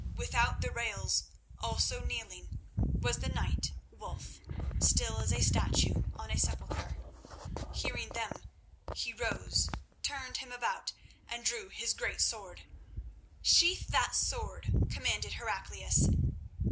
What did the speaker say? Without the rails, also kneeling, was the knight Wulf, still as a statue on a sepulchre. Hearing them, he rose, turned him about, and drew his great sword. "Sheathe that sword," commanded Heraclius.